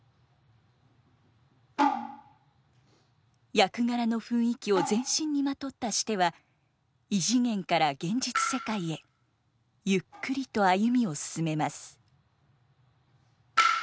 役柄の雰囲気を全身にまとったシテは異次元から現実世界へゆっくりと歩みを進めます。